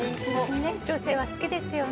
ねっ女性は好きですよね。